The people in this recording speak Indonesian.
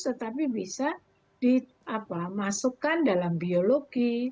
tetapi bisa dimasukkan dalam biologi